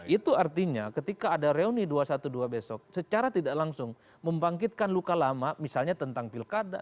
itu artinya ketika ada reuni dua ratus dua belas besok secara tidak langsung membangkitkan luka lama misalnya tentang pilkada